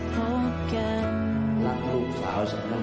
ที่เราพบกัน